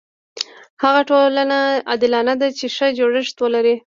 هغه ټولنه عادلانه ده چې ښه جوړښت ولري.